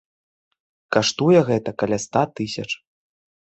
Каштуе гэта каля ста тысяч.